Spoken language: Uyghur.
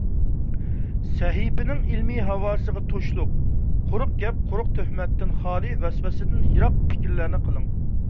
سەھىپىنىڭ ئىلمىي ھاۋاسىغا تۇشلۇق، قۇرۇق گەپ، قۇرۇق تۆھمەتتىن خالىي، ۋەسۋەسىدىن يىراق پىكىرلەرنى قىلىڭ!